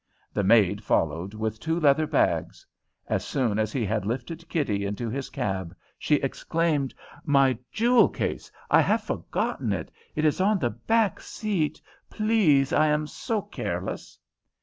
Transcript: The maid followed with two leather bags. As soon as he had lifted Kitty into his cab she exclaimed: "My jewel case! I have forgotten it. It is on the back seat, please. I am so careless!"